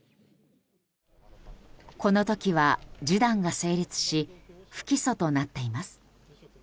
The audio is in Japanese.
この時は示談が成立し不起訴となっています。